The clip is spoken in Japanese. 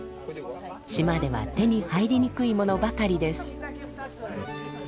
島では手に入りにくいものばかりです。